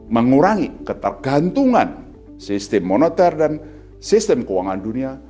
mengurangi ketergantungan sistem moneter dan sistem keuangan dunia